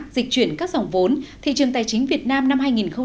dịch chuyển các dòng vốn thị trường tài chính việt nam năm hai nghìn một mươi chín